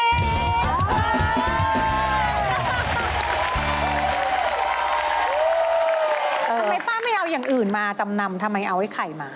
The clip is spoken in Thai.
ทำไมป้าไม่เอาอย่างอื่นมาจำนำทำไมเอาไอ้ไข่มา